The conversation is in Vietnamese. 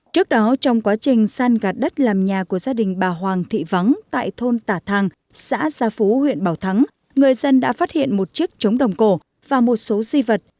trước đó trong quá trình san gạt đất làm nhà của gia đình bà hoàng thị vắng tại thôn tả thang xã gia phú huyện bảo thắng người dân đã phát hiện một chiếc trống đồng cổ và một số di vật